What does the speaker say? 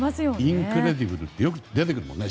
インクレディブルってよく出てきますよね。